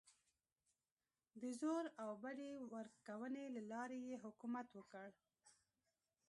د زور او بډې ورکونې له لارې یې حکومت وکړ.